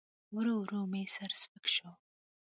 ورو ورو مې سر سپک سو.